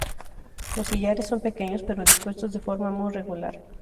Los sillares son pequeños, pero dispuestos de forma muy regular.